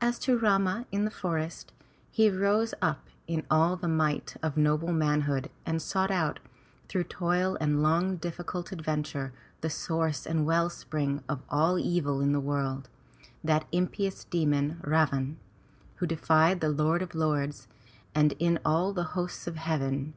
As to Rama in the forest, — he rose up in all the might of noble manhood and sought out, through toil and long and difficult adventure, the source and well spring of all evil in the world, that impious demon, Ravan, who defied the Lord of Lords, and all the Hosts of Heaven.